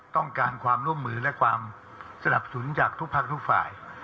ต้องการความร่วมมือและความสนับสนุนจากทุกภาคทุกฝ่าย